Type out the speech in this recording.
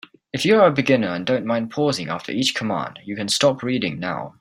If you are a beginner and don't mind pausing after each command, you can stop reading now.